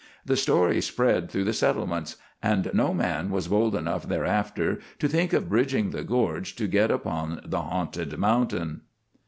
The story spread through the settlements, and no man was bold enough thereafter to think of bridging the gorge to get upon the haunted mountain.